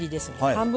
半分。